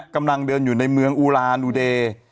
กำลังเดินอยู่ในเมืองอูลานูเดย์